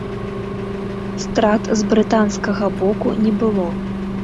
Страт з брытанскага боку не было.